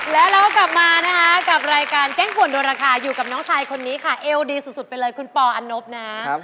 แล้วเราก็กลับมานะคะกับรายการเก้งขวดโดนราคาอยู่กับน้องชายคนนี้ค่ะเอวดีสุดไปเลยคุณปออันนบนะ